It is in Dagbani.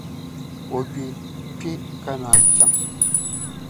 O gbe kpe ka naan chaŋ.